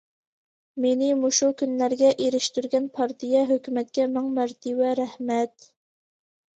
مېنى مۇشۇ كۈنلەرگە ئېرىشتۈرگەن پارتىيە، ھۆكۈمەتكە مىڭ مەرتىۋە رەھمەت!